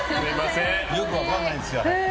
よく分かんないですが。